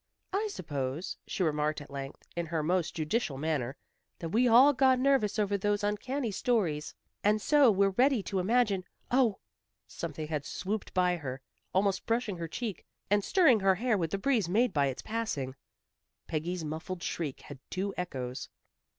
"I suppose," she remarked at length, in her most judicial manner, "that we all got nervous over those uncanny stories, and so we're ready to imagine Oh!" Something had swooped by her, almost brushing her cheek, and stirring her hair with the breeze made by its passing. Peggy's muffled shriek had two echoes.